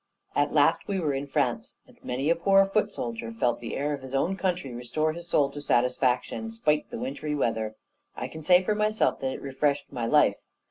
At last, we were in France; and many a poor foot soldier felt the air of his own country restore his soul to satisfaction, spite of the wintry weather. I can say for myself that it refreshed my life.